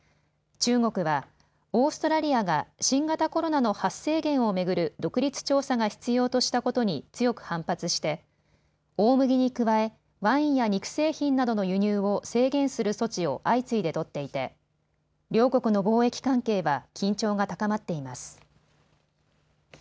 中国は、オーストラリアが新型コロナの発生源を巡る独立調査が必要としたことに強く反発して大麦に加えワインや肉製品などの輸入を制限する措置を相次いで取っていて、両国の貿易関係は緊張が高まっています。